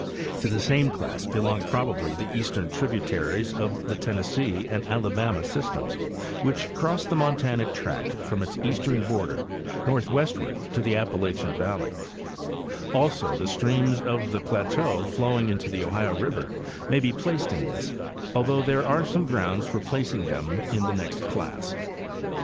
To the same class belong probably the eastern tributaries of the Tennessee and Alabama systems which cross the montanic tract from its eastern border northwestward to the Appalachian valley; also the streams of the plateau flowing into the Ohio river may be placed in this, although there are some grounds for placing them in the next class.